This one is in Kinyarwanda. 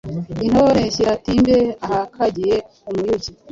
Intore nshyira Timber ahakagiye amayugi